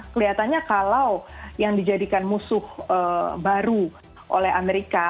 kelihatannya kalau yang dijadikan musuh baru oleh amerika